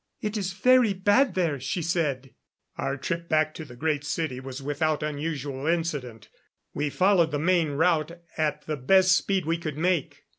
It is very bad there, she said." Our trip back to the Great City was without unusual incident. We followed the main route at the best speed we could make.